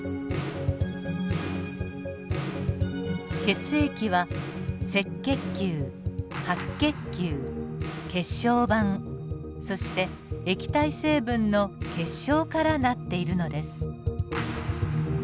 血液は赤血球白血球血小板そして液体成分の血しょうから成っているのです。